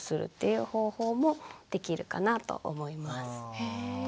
へえ。